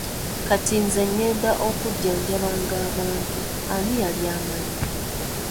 Kati nze ngenda okujjanjabanga abantu, ani yali amanyi!